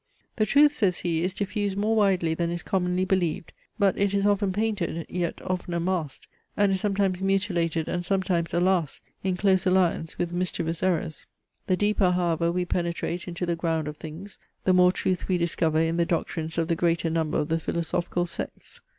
The truth, says he, is diffused more widely than is commonly believed; but it is often painted, yet oftener masked, and is sometimes mutilated and sometimes, alas! in close alliance with mischievous errors. The deeper, however, we penetrate into the ground of things, the more truth we discover in the doctrines of the greater number of the philosophical sects.